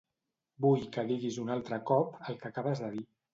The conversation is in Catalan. Vull que diguis un altre cop el que acabes de dir.